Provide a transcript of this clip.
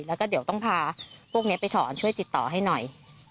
แล้วก็เดี๋ยวต้องพาพวกนี้ไปถอนช่วยติดต่อให้หน่อย